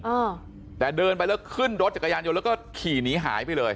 อ่าแต่เดินไปแล้วขึ้นรถจักรยานยนต์แล้วก็ขี่หนีหายไปเลย